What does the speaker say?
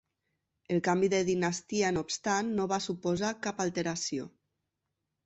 El canvi de dinastia no obstant no va suposar cap alteració.